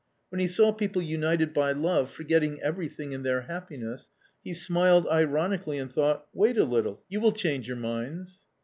When he saw people united by love forgetting everything in their happiness, he smiled ironically and thought: "Wait a little, you will change your minds."